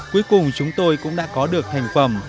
cuối cùng chúng tôi cũng đã có được thành phẩm